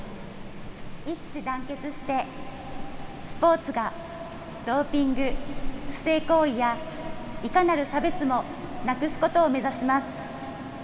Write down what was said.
一致団結してスポーツがドーピング、不正行為やいかなる差別をなくすことを誓います。